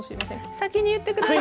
先に言ってください。